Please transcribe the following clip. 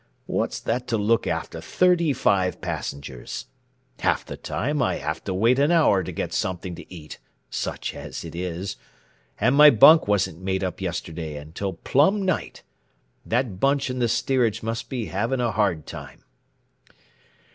What's that to look after thirty five passengers? Half the time I have to wait an hour to get something to eat such as it is. And my bunk wasn't made up yesterday until plumb night. That bunch in the steerage must be having a hard time."